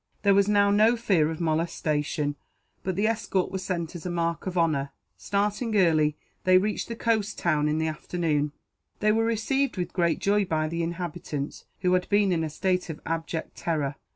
There was now no fear of molestation, but the escort was sent as a mark of honour. Starting early, they reached the coast town in the afternoon. They were received with great joy by the inhabitants, who had been in a state of abject terror.